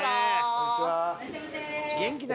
こんにちは。